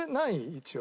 一応。